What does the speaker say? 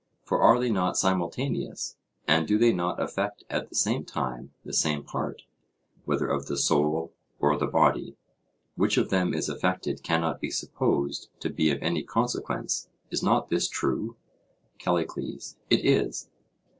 For are they not simultaneous, and do they not affect at the same time the same part, whether of the soul or the body?—which of them is affected cannot be supposed to be of any consequence: Is not this true? CALLICLES: It is.